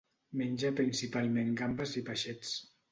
Menja principalment gambes i peixets.